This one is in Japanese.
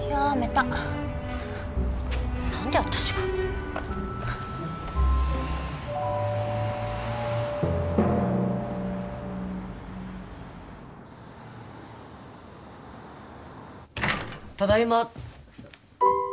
ただいま。